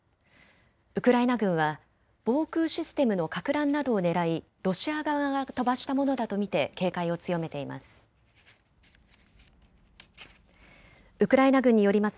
ウクライナ軍は防空システムのかく乱などをねらいロシア側が飛ばしたものだと見て警戒を強めています。